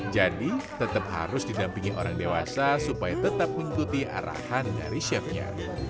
jadi tetap harus didampingi orang dewasa supaya tetap mengikuti arahan dari chef nya